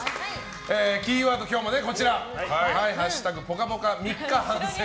キーワード、今日もこちら「＃ぽかぽか三日反省」。